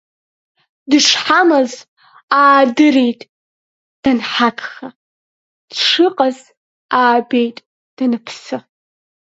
Дышҳамаз аадырит данҳагха, дшыҟаз аабеит даныԥсы.